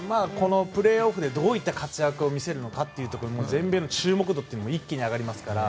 プレーオフでどういった活躍を見せるかで全米の注目度も一気に上がりますからね。